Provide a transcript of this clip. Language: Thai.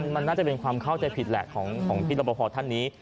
มันน่าจะเป็นความเข้าใจผิดแหละของพี่รับประพอท่านนี้